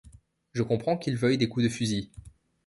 Je comprends qu’il veuille des coups de fusil.